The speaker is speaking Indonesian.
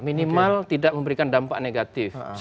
minimal tidak memberikan dampak negatif